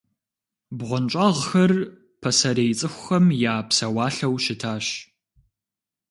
БгъуэнщӀагъхэр пасэрей цӀыхухэм я псэуалъэу щытащ.